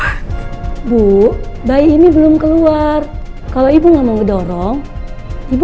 ibu pasti bisa ayo ibu terus ibu